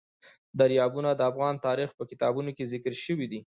دریابونه د افغان تاریخ په کتابونو کې ذکر شوی دي.